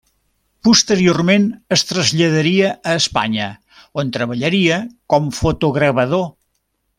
Posteriorment es traslladaria a Espanya, on treballaria com fotogravador.